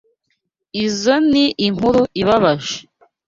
Izoi ni inkuru ibabaje.